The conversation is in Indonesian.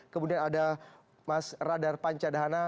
kemudian ada mas radar panca dahana